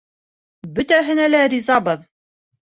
Бөтәһенә лә ризабыҙ.